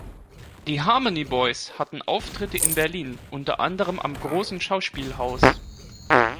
Die Harmony Boys hatten Auftritte in Berlin unter anderem am Großen Schauspielhaus.